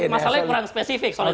mungkin masalahnya kurang spesifik